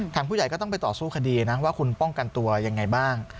ผู้ใหญ่ก็ต้องไปต่อสู้คดีนะว่าคุณป้องกันตัวยังไงบ้าง